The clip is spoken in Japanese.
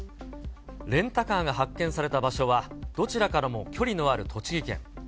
レンタカーが発見された場所は、どちらからも距離がある栃木県。